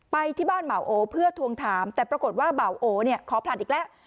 ไปที่บ้านเห่าโอเพื่อทวงถามแต่ปรากฏว่าเบาโอเนี่ยขอผลัดอีกแล้ว